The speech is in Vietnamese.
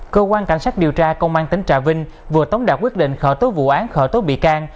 cơ quan cảnh sát điều tra công an tỉnh trà vinh vừa tống đạt quyết định khởi tố vụ án khởi tố bị can